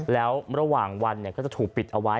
แล้วระหว่างวันก็จะถูกปิดเอาไว้